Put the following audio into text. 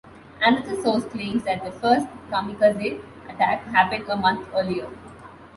Another source claims that the first "kamikaze" attack happened a month earlier.